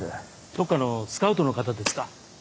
どっかのスカウトの方ですか？